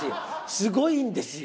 すごいんですよ。